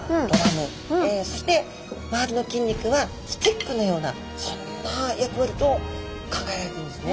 そして周りの筋肉はスティックのようなそんな役割と考えられているんですね。